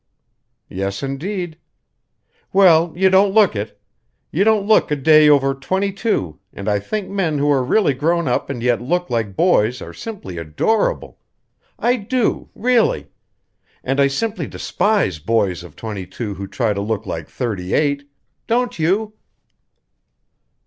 "Yes, indeed." "Well, you don't look it. You don't look a day over twenty two, and I think men who are really grown up and yet look like boys are simply adorable! I do, really. And I simply despise boys of twenty two who try to look like thirty eight. Don't you?"